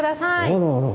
あらあら。